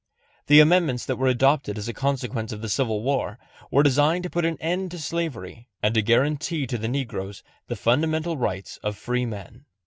The amendments that were adopted as a consequence of the Civil War were designed to put an end to slavery and to guarantee to the negroes the fundamental rights of freemen.